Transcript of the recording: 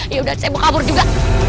yaudah saya mau kabur juga